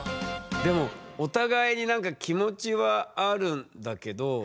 でもお互いになんか気持ちはあるんだけどなんかね。